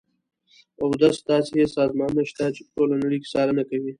اوس داسې سازمانونه شته چې په ټوله نړۍ کې څارنه کوي.